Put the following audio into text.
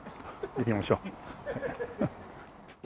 行きましょう。